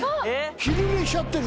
昼寝しちゃってる。